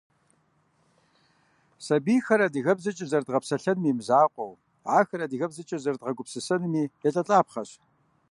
Сабийхэр адыгэбзэкӏэ зэрыдгъэпсэлъэным имызакъуэу, ахэр адыгэбзэкӀэ зэрыдгъэгупсысэнми делӀэлӀапхъэщ.